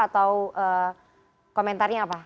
atau komentarnya apa